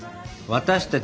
私たち